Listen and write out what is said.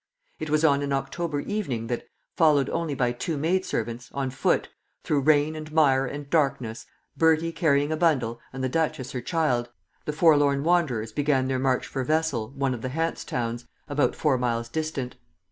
It was on an October evening that, followed only by two maid servants, on foot, through rain and mire and darkness, Bertie carrying a bundle and the duchess her child, the forlorn wanderers began their march for Wesel one of the Hanse towns, about four miles distant.